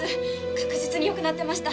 確実によくなってました。